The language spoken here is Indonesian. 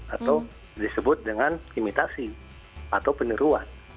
atau disebut dengan imitasi atau penyeruan